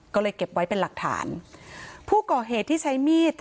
ก็เลยเก็บไว้เป็นหลักฐานผู้ก่อเหตุที่ใช้มีด